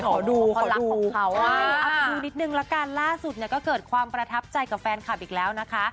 ขอดูความรักของเขาเอาไปดูนิดนึงละกันล่าสุดเนี่ยก็เกิดความประทับใจกับแฟนคลับอีกแล้วนะคะ